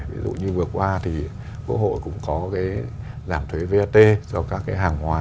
ví dụ như vừa qua thì quốc hội cũng có cái giảm thuế vat cho các cái hàng hòa